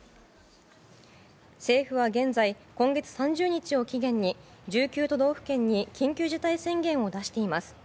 政府は現在、今月３０日を期限に１９都道府県に緊急事態宣言を出しています。